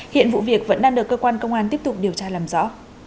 hiện vụ việc vẫn đang được cơ quan công an tiếp tục điều tra làm rõ